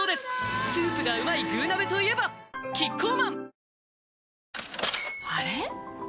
スープがうまい「具鍋」といえばキッコーマン